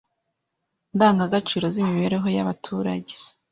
ndangagaciro z imibereho y abaturage